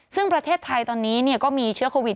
ซึ่งประเทศไทยตอนนี้ก็มีเชื้อโควิด